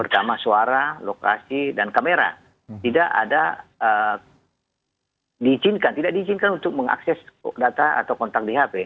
pertama suara lokasi dan kamera tidak ada diizinkan tidak diizinkan untuk mengakses data atau kontak di hp